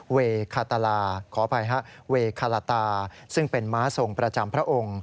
เวคาตาลาขออภัยฮะเวคาลาตาซึ่งเป็นม้าทรงประจำพระองค์